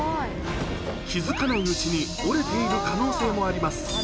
気付かないうちに折れている可能性もあります。